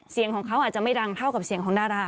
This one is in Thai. เสียงของเขาอาจจะไม่ดังเท่ากับเสียงของดารา